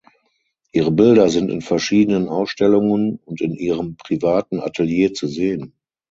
Ihre Bilder sind in verschiedenen Ausstellungen und in ihrem privaten Atelier zu sehen.